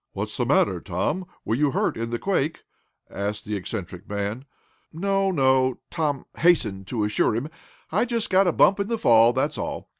"What's the matter, Tom; were you hurt in the quake?" asked the eccentric man. "No no," Tom hastened to assure him. "I just got a bump in the fall that's all.